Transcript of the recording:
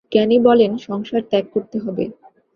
জ্ঞানী বলেন, সংসার ত্যাগ করতে হবে।